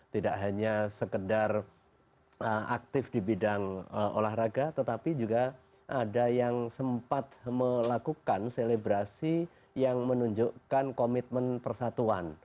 tidak hanya sekedar aktif di bidang olahraga tetapi juga ada yang sempat melakukan selebrasi yang menunjukkan komitmen persatuan